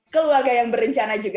keluarga yang berencana juga